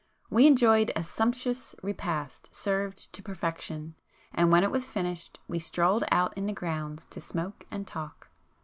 We enjoyed a sumptuous [p 256] repast served to perfection, and when it was finished, we strolled out in the grounds to smoke and talk.